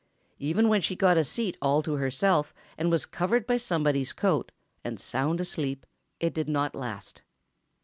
Even when she got a seat all to herself and was covered by somebody's coat, and sound asleep, it did not last.